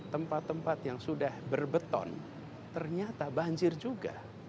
tempat tempat yang sudah berbeton ternyata banjir juga